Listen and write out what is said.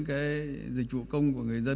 cái dịch vụ công của người dân